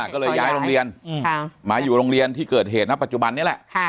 ก็เลยย้ายโรงเรียนมาอยู่โรงเรียนที่เกิดเหตุณปัจจุบันนี้แหละ